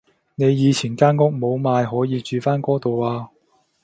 你以前間屋冇賣可以住返嗰度啊